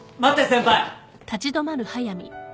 先輩。